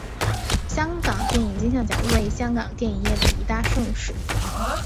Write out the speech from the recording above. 香港电影金像奖为香港电影业的一大盛事。